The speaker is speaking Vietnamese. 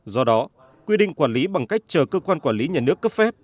do đó quy định quản lý bằng cách chờ cơ quan quản lý nhà nước cấp phép